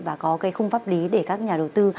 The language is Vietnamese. và có cái khung pháp lý để các nhà đầu tư